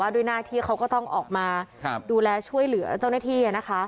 ด้วยหน้าที่เขาก็ต้องออกมาดูแลช่วยเหลือเจ้าหน้าที่